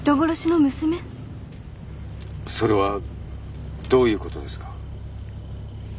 それはどういうことですか？